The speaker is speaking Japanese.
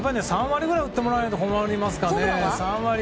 ３割ぐらい打ってもらわないと困りますからね。